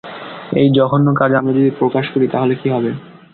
এই জঘন্য কাজ আমরা যদি প্রকাশ করি তাহলে কি হবে?